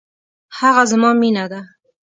هغه زما مینه ده